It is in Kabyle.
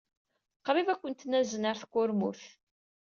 Qrib ad kent-nazen ɣer tkurmut.